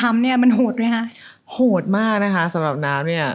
มันโหดมากนะคะสำหรับน้ำเนี่ย